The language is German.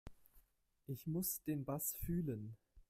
Ich muss den Bass fühlen.